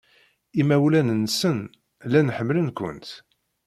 Imawlan-nsen llan ḥemmlen-kent.